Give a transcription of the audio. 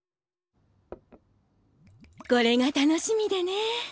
これが楽しみでね。